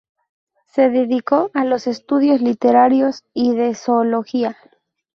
Se dedicó a los estudios literarios y de zoología.